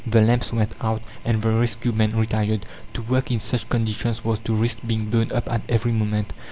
The lamps went out, and the rescue men retired. To work in such conditions was to risk being blown up at every moment.